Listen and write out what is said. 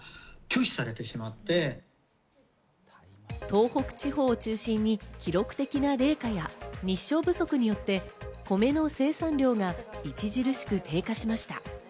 東北地方を中心に記録的な冷夏や日照不足によって、米の生産量が著しく低下しました。